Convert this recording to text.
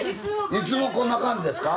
いつもこんな感じですか？